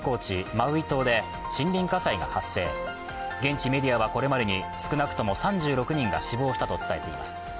マウイ島で森林火災が発生現地メディアはこれまでに少なくとも３６人が死亡したと伝えています。